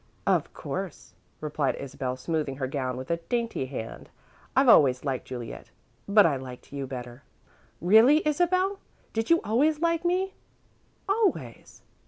"Of course," replied Isabel, smoothing her gown with a dainty hand, "I've always liked Juliet, but I liked you better." "Really, Isabel? Did you always like me?" "Always."